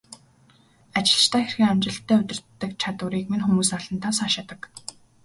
Ажилчдаа хэрхэн амжилттай удирддаг чадварыг минь хүмүүс олонтаа сайшаадаг.